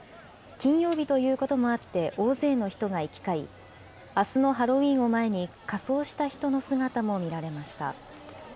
金曜日ということもあって、大勢の人が行き交い、あすのハロウィーンを前に仮装した人の姿も見られました。